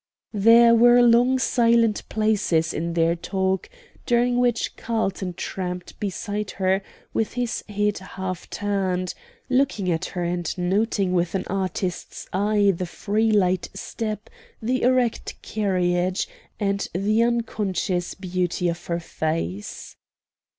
There were long silent places in their talk, during which Carlton tramped beside her with his head half turned, looking at her and noting with an artist's eye the free light step, the erect carriage, and the unconscious beauty of her face.